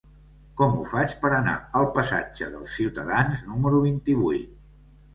Com ho faig per anar al passatge dels Ciutadans número vint-i-vuit?